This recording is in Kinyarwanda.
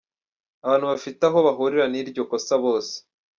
Abantu bafite aho bahurira n’iryo kosa bose.